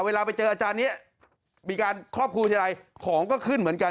เวลาไปเจออาจารย์นี้มีการครอบครูทีไรของก็ขึ้นเหมือนกัน